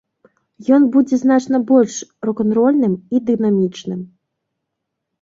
Ён будзе значна больш рок-н-рольным і дынамічным.